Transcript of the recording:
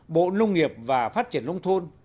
bộ nông nghiệp và phát triển nông thôn